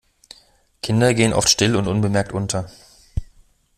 Kinder gehen oft still und unbemerkt unter.